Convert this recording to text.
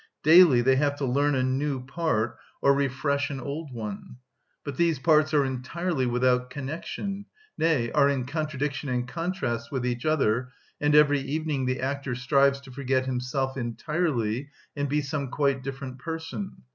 Daily they have to learn a new part or refresh an old one; but these parts are entirely without connection, nay, are in contradiction and contrast with each other, and every evening the actor strives to forget himself entirely and be some quite different person.